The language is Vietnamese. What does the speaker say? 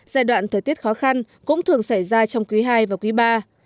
giai đoạn thời tiết khó khăn cũng thường xảy ra trong quý ii và quý iii